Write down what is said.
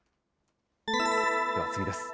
では次です。